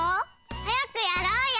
はやくやろうよ！